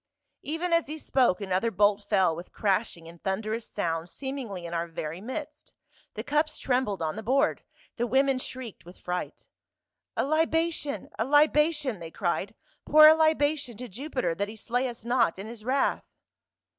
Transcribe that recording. " Even as he spoke another bolt fell with crashing and thunderous sound, seemingly in our very midst. The cups trembled on the board ; the women shrieked with fright. ' A libation ! a libation !' they cried, ' pour a libation to Jupiter that he slay u.5 not in his wrath!'